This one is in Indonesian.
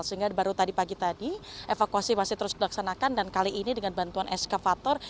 sehingga baru tadi pagi tadi evakuasi masih terus dilaksanakan dan kali ini dengan bantuan eskavator